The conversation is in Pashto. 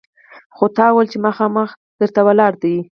خو تا ویل چې مخامخ در ته ولاړ دی!